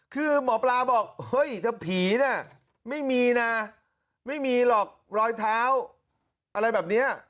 คือหมอปลาบอกถ้าผีไม่มีหรอกรอยเท้าอะไรแบบนี้